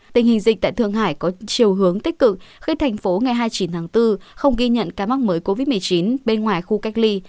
tình hình dịch tại thường hải có chiều hướng tích cực khi thành phố ngày hai mươi chín tháng bốn không ghi nhận ca mắc mới covid một mươi chín bên ngoài khu cách ly